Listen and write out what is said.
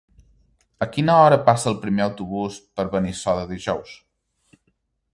A quina hora passa el primer autobús per Benissoda dijous?